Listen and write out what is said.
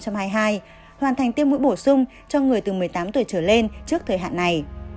hoàn thành tiêm mũi bổ sung cho người từ một mươi tám tuổi trở lên trước thời hạn này